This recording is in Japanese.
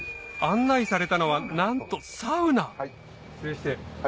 案内されたのはなんとサウナ失礼して。